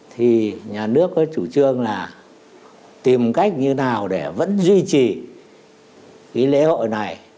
thì nhà nước có chủ trương là tìm cách như nào để vẫn duy trì cái lễ hội này